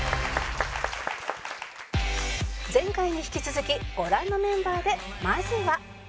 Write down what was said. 前回に引き続きご覧のメンバーでまずは